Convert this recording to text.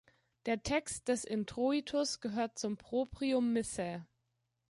Der Text des Introitus gehört zum Proprium Missae.